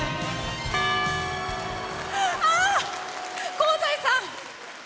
香西さん！